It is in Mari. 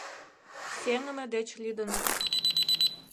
— Сеҥыме деч лӱдыныт.